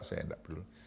saya enggak peduli